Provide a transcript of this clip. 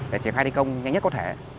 để triển khai đi công nhanh nhất có thể